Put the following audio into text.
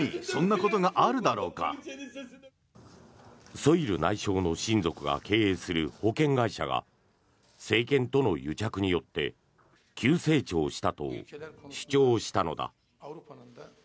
ソイル内相の親族が経営する保険会社が政権との癒着によって急成長したと主張したのだ。